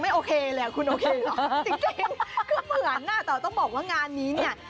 โอเคเลยอ่ะคุณโอเคหรอจริงคือเหมือนอ่ะแต่ต้องบอกว่างานนี้เนี่ย